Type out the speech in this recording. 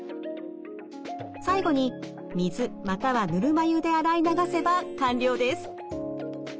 最後に水またはぬるま湯で洗い流せば完了です。